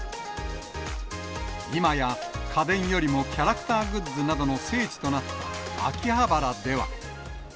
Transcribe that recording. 今や家電よりもキャラクターグッズなどの聖地となった秋葉原では。